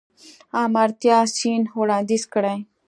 آمارتیا سېن وړانديز کړی.